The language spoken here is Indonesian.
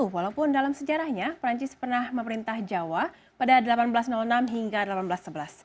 walaupun dalam sejarahnya perancis pernah memerintah jawa pada seribu delapan ratus enam hingga seribu delapan ratus sebelas